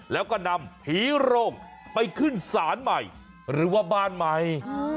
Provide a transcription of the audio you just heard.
แล้วก็นำผีโรงไปขึ้นศาลใหม่หรือว่าบ้านใหม่